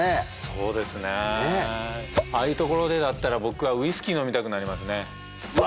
そうですねねえああいうところでだったら僕はウイスキー飲みたくなりますねうわ